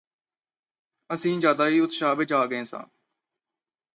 ਅਸੀਂ ਜ਼ਿਆਦਾ ਹੀ ਉਤਸ਼ਾਹ ਵਿੱਚ ਆ ਗਏ ਸਾਂ